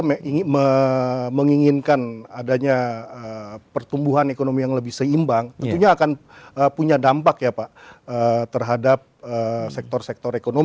ya tentunya pak kalau kita menginginkan adanya pertumbuhan ekonomi yang lebih seimbang tentunya akan punya dampak ya pak